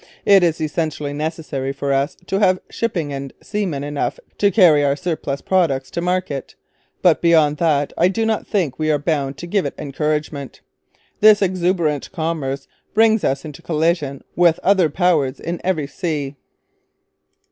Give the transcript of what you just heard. It is essentially necessary for us to have shipping and seamen enough to carry our surplus products to market, but beyond that I do not think we are bound to give it encouragement... This exuberant commerce brings us into collision with other Powers in every sea.